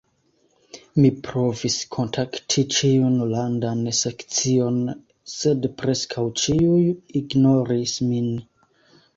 Mi provis kontakti ĉiun landan sekcion sed preskaŭ ĉiuj ignoris min.